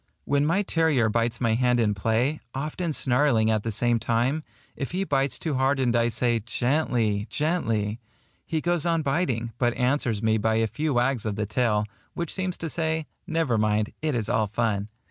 When my terrier bites my hand in play, often snarling at the same time, if he bites too hard and I say GENTLY, GENTLY, he goes on biting, but answers me by a few wags of the tail, which seems to say "Never mind, it is all fun."